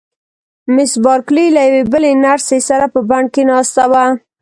مس بارکلي له یوې بلې نرسې سره په بڼ کې ناسته وه.